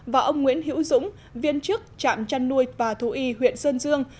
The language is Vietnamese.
và ông nguyễn hữu dũng viên trước trạm chăn nuôi và thú y huyện sơn dương